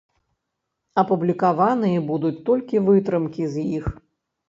Апублікаваныя будуць толькі вытрымкі з іх.